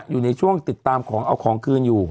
อยู่ในช่วงติดตามของเอาของคืนอยู่